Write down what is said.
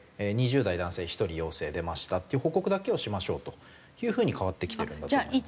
２０代男性１人陽性出ましたっていう報告だけをしましょうという風に変わってきてるんだと思います。